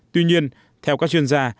tuy nhiên theo các chuyên gia